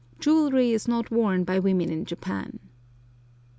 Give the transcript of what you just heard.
Jewellery is not worn by women in Japan.